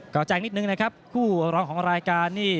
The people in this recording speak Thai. ก็แจ้งนิดนึงนะครับคู่ร้องของรายการนี่